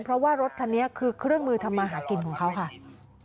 เพราะว่ารถคันนี้คือเครื่องมือทำมาหากินของเขาค่ะ